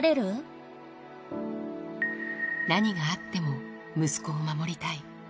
何があっても息子を守りたい。